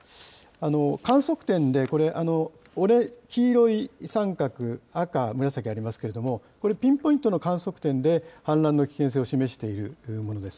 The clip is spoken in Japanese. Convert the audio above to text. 観測点で黄色い三角、赤、紫ありますけれども、これ、ピンポイントの観測点で氾濫の危険性を示しているものです。